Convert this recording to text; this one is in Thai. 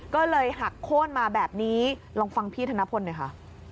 ก็เลยหักโค้นมาแบบนี้ลองฟังพี่ธนพลหน่อยค่ะ